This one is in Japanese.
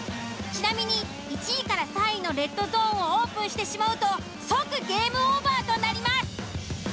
ちなみに１位３位のレッドゾーンをオープンしてしまうと即ゲームオーバーとなります。